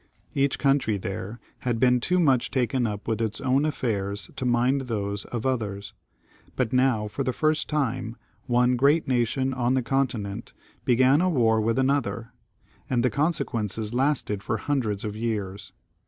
Each country there had been too much taken up with its own affairs to mind those of others. But now, for the first time, one great nation on the Continent began a war with another, and the conse quences lasted for hundreds of years.